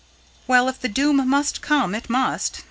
Well, if the Doom must come, it must.